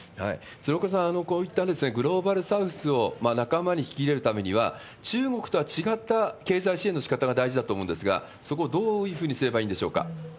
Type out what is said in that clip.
鶴岡さん、こういったグローバルサウスを仲間に引き入れるためには、中国とは違った経済支援のしかたが大事だと思うんですが、そこ、どういうふうにすればいいんでしょうか？